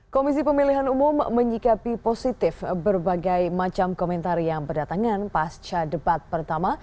komisi pemilihan umum menyikapi positif berbagai macam komentar yang berdatangan pasca debat pertama